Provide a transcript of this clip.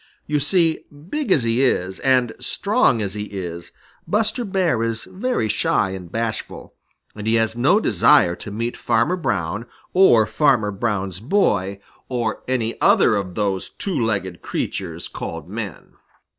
You see, big as he is and strong as he is, Buster Bear is very shy and bashful, and he has no desire to meet Farmer Brown, or Farmer Brown's boy, or any other of those two legged creatures called men.